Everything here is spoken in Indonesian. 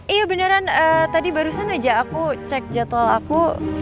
iya beneran tadi barusan aja aku cek jadwal aku